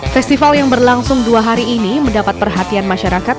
festival yang berlangsung dua hari ini mendapat perhatian masyarakat